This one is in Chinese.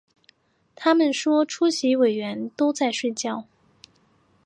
他们说出席委员都在睡觉